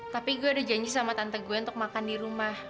tapi gue ada janji sama tante gue untuk makan di rumah